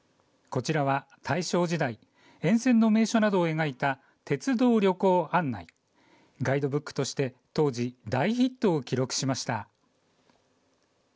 こちらは大正時代、沿線の名所などを描いた鉄道旅行案内、ガイドブックとして当時、大ヒットを記録しました。